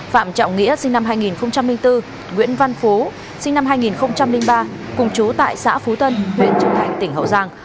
phạm trọng nghĩa sinh năm hai nghìn bốn nguyễn văn phú sinh năm hai nghìn ba cùng chú tại xã phú tân huyện châu thành tỉnh hậu giang